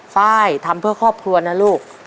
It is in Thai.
ไฟล์ทำเพื่อครอบครัวนะลูก